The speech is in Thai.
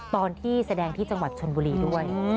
ตอนที่แสดงที่จังหวัดชนบุรีด้วย